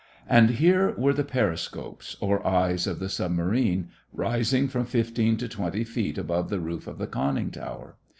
And here were the periscopes or eyes of the submarine, rising from fifteen to twenty feet above the roof of the conning tower.